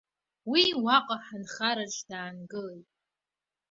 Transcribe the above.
Уи уаҟа ҳанхараҿ даангылеит.